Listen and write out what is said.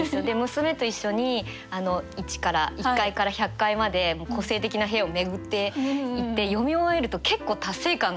娘と一緒に１から１階から１００階まで個性的な部屋を巡っていって読み終えると結構達成感があるんですよね。